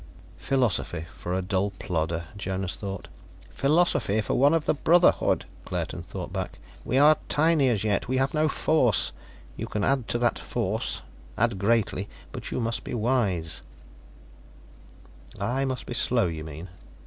"Philosophy for a dull plodder," Jonas thought. "Philosophy for one of the Brotherhood," Claerten thought back. "We are tiny as yet; we have no force. You can add to that force, add greatly; but you must be wise." "I must be slow, you mean."